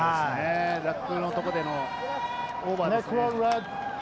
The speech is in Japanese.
ラックのところでのオーバーですね。